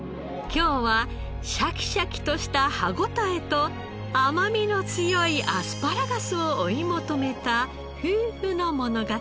今日はシャキシャキとした歯応えと甘みの強いアスパラガスを追い求めた夫婦の物語。